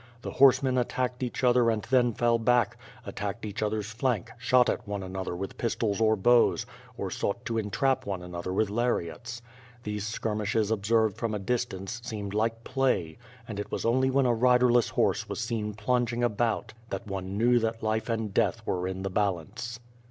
The horsemen attacked each other and then fell back, attacked each other's flank, shot at one another with pij^tols or bows, or sought to entrap one another with lariats. Tho^e skirmishes, observed from a dis tance, seemed like play, and it was only when a riderless horse WITH FIRE AND SWORD. 175 was seen plunging about that one knew that life and death were in the balance.